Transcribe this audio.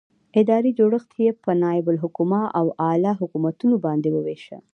ادارې جوړښت یې په نائب الحکومه او اعلي حکومتونو باندې وویشه.